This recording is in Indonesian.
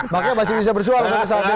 makanya masih bisa bersuara sampai saat ini